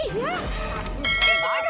iya ibu akan lengsar